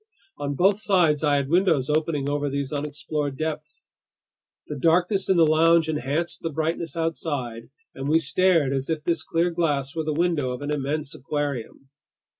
On both sides I had windows opening over these unexplored depths. The darkness in the lounge enhanced the brightness outside, and we stared as if this clear glass were the window of an immense aquarium.